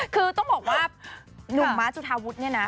คือต้องบอกว่านุ่มมาร์ชจุธาวุฒนี่นะ